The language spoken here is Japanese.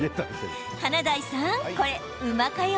華大さん、これうまかよ！